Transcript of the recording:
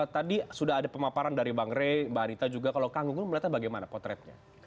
tadi sudah ada pemaparan dari bang rey mbak arita juga kalau kang gunggun melihatnya bagaimana potretnya